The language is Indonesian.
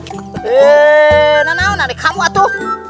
heee nah nah nah dikamu atu